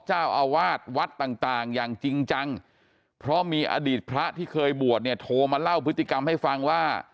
เจ้าอาวาสวัดต่างอย่างจริงจังเพราะมีอดีตพระที่เคยบวชเนี่ยโทรมาเล่าพฤติกรรมให้ฟังว่า